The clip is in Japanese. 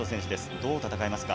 どう戦いますか？